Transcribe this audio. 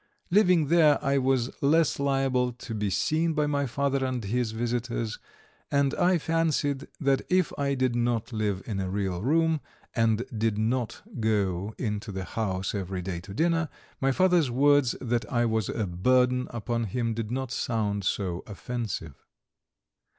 Living here, I was less liable to be seen by my father and his visitors, and I fancied that if I did not live in a real room, and did not go into the house every day to dinner, my father's words that I was a burden upon him did not sound so offensive.